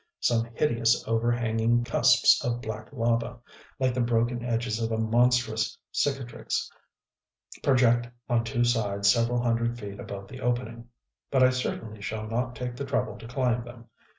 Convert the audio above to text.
Some hideous over hanging cusps of black lava like the broken edges of a monstrous cicatrix project on two sides several hundred feet above the opening; but I certainly shall not take the trouble to climb them.